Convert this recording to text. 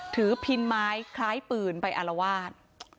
พินไม้คล้ายปืนไปอารวาส